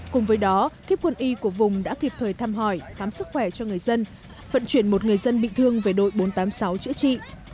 cùng với đó kiếp quân y của vùng đã kịp thời thăm hỏi khám sức khỏe cho người dân vận chuyển một người dân bị thương về đội bốn trăm tám mươi sáu chữa trị